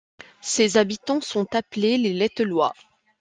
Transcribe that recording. Ses habitants sont appelés les Lestelois.